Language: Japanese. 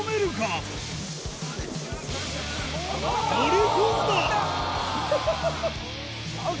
乗り込んだ！ＯＫ！